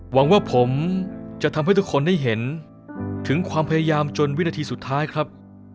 หวังว่าผมจะทำให้ทุกคนได้เห็นถึงความพยายามจนวินาทีสุดท้ายครับ